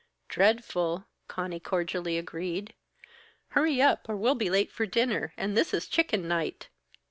"Dreadful!" Conny cordially agreed. "Hurry up! Or we'll be late for dinner, and this is chicken night."